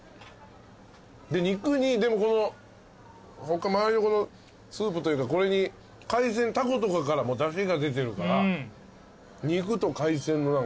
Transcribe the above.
で肉に周りのスープというかこれに海鮮タコとかからもだしが出てるから肉と海鮮の何か。